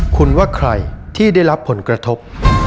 คุณว่าใครที่ได้รับผลกระทบ